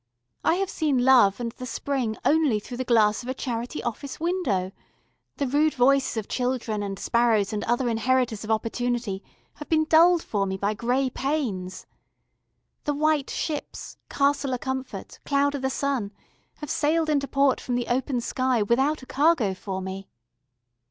I have seen Love and the Spring only through the glass of a charity office window, the rude voices of children and sparrows and other inheritors of opportunity have been dulled for me by grey panes. The white ships ... Castle of Comfort ... Cloud i' the Sun have sailed into port from the open sky without a cargo for me...."